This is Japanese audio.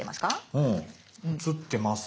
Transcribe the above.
うん写ってます。